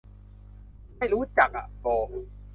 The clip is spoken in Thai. ไม่รู้จักอ่ะ โบ